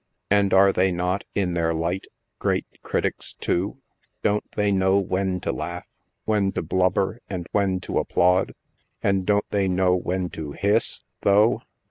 And are they not, in their light, great critics, too ? Don't they know when to laugh, when to blubber, and when to applaud ! and don't they know when to hiss, though